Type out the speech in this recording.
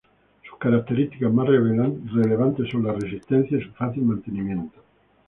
Sus características más relevantes son la resistencia y su fácil mantenimiento.